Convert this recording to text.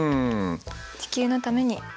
地球のために。